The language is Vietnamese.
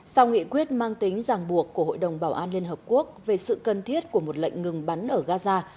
sau nghị quyết mang tính giảng buộc của hội đồng bảo an liên hợp quốc về sự cần thiết của một lệnh ngừng bắn ở gaza